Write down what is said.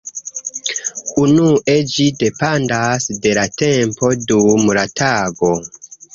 Unue ĝi dependas de la tempo dum la tago.